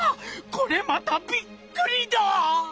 これまたびっくりだ！